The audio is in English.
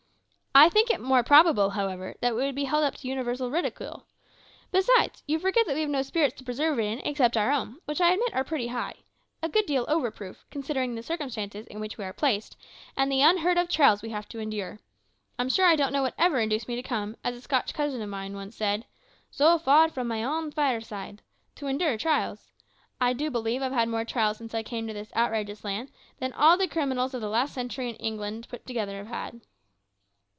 "I think it more probable, however, that it would be held up to universal ridicule. Besides, you forget that we have no spirits to preserve it in, except our own, which I admit are pretty high a good deal overproof, considering the circumstances in which we are placed, and the unheard of trials we have to endure. I'm sure I don't know what ever induced me to come, as a Scotch cousin of mine once said, `so far frae my ain fireside' to endure trials. I do believe I've had more trials since I came to this outrageous land than all the criminals of the last century in England put together have had."